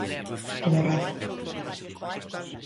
O Morrazo.